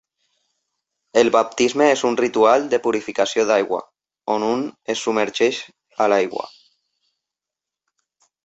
El baptisme és un ritual de purificació d'aigua on un es submergeix a l'aigua.